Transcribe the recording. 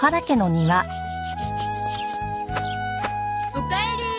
おかえり。